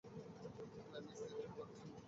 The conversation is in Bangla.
ক্ল্যাইম্যাক্স দেরীতে করার জন্য।